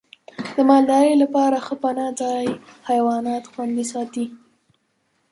د مالدارۍ لپاره ښه پناه ځای حیوانات خوندي ساتي.